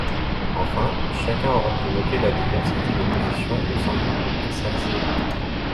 Enfin, chacun aura pu noter la diversité des positions au sein du groupe SRC.